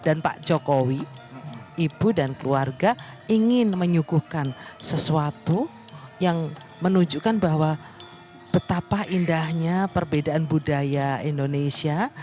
dan pak jokowi ibu dan keluarga ingin menyukuhkan sesuatu yang menunjukkan bahwa betapa indahnya perbedaan budaya indonesia